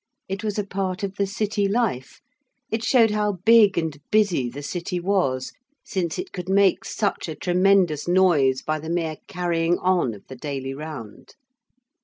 It was a part of the City life: it showed how big and busy the City was since it could make such a tremendous noise by the mere carrying on of the daily round.